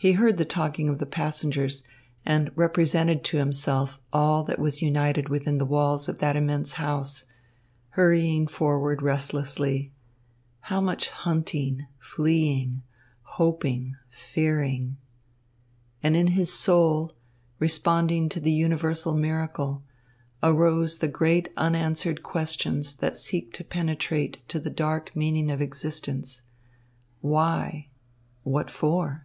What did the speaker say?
He heard the talking of the passengers, and represented to himself all that was united within the walls of that immense house, hurrying forward restlessly how much hunting, fleeing, hoping, fearing. And in his soul, responding to the universal miracle, arose the great unanswered questions that seek to penetrate to the dark meaning of existence: "Why?" "What for?"